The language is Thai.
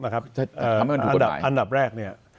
ทำไมมันถูกกดลายอันดับแรก